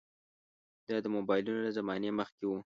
دا د موبایلونو له زمانې مخکې وو.